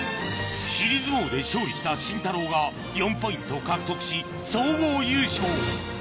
尻相撲で勝利したシンタローが４ポイント獲得し総合優勝